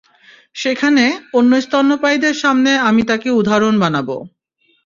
সেখানে, অন্য স্তন্যপায়ীদের সামনে আমি তাকে উদাহরণ বানাব।